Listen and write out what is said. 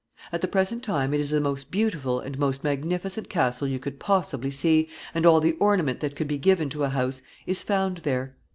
At the present time it is the most beautiful and most magnificent castle you could possibly see, and all the ornament that could be given to a house is found there.